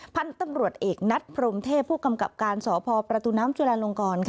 พันธุ์ตำรวจเอกนัดพรมเทพผู้กำกับการสพประตูน้ำจุลาลงกร